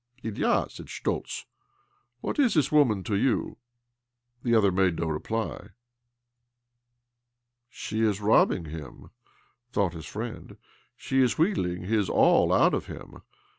" Ilya," said Schtoltz, " what is this woman to you ?" 'The other made no reply. " She is robbing him," thought his friend. " She is wheedling his all out of him.